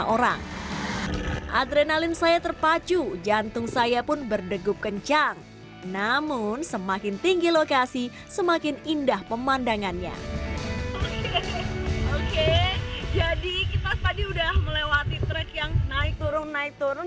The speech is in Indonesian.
oke jadi kita tadi udah melewati trek yang naik turun naik turun